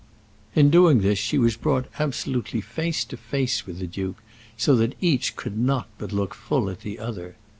In doing this she was brought absolutely face to face with the duke, so that each could not but look full at the other.